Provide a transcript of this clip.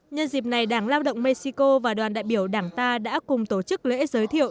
nhân dịp này đảng lao động mexico và đoàn đại biểu đảng ta đã cùng tổ chức lễ giới thiệu